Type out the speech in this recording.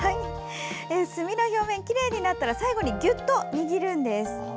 墨の表面がきれいになったら最後にギュッと握るんです。